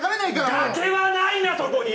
崖はないな、そこに！